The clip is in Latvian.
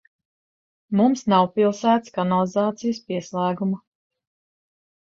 Mums nav pilsētas kanalizācijas pieslēguma.